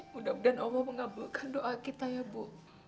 mudah mudahan allah mengabulkan doa kita ya bu